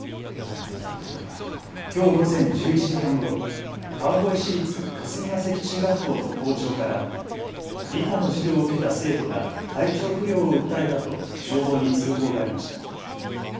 きょう午前１１時半ごろ、川越市立霞ケ関中学校の校長から理科の授業を受けた生徒が体調不良を訴えたと消防に通報がありました。